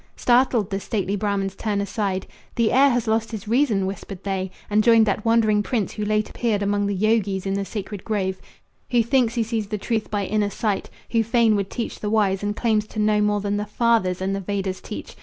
Startled, the stately Brahmans turn aside. "The heir has lost his reason," whispered they, "And joined that wandering prince who late appeared Among the yogis in the sacred grove, Who thinks he sees the truth by inner sight, Who fain would teach the wise, and claims to know More than the fathers and the Vedas teach."